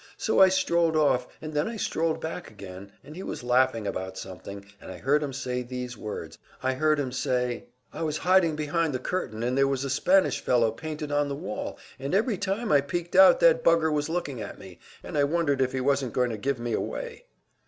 So I strolled off, and then I strolled back again, and he was laughing about something, and I heard him say these words; I heard him say, `I was hiding behind the curtain, and there was a Spanish fellow painted on the wall, and every time I peeked out that bugger was looking at me, and I wondered if he wasn't going to give me away.